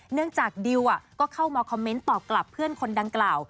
เนื่องจากดิวก็เข้ามาคอมเมนต์ตอบกลับเพื่อนคนดังกล่าว